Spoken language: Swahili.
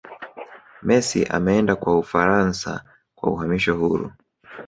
messi ameenda kwa ufaransa kwa uhamisho huru